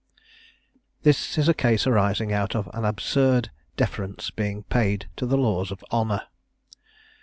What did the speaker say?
This is a case arising out of an absurd deference being paid to the laws of honour.